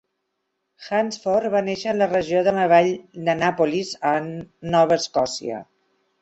Hansford va néixer a la regió de la vall d'Annapolis en Nova Escòcia.